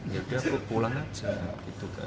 ya udah pulang aja